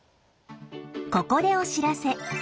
ここでお知らせ。